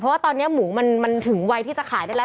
เพราะว่าตอนนี้หมูมันถึงวัยที่จะขายได้แล้ว